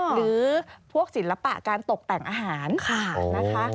หรือพวกศิลปะการตกแต่งอาหารนะคะ